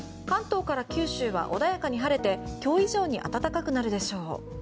関東から九州は穏やかに晴れて今日以上に暖かくなるでしょう。